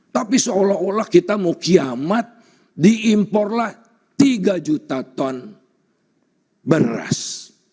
tapi seolah olah kita mau kiamat diimporlah tiga juta ton beras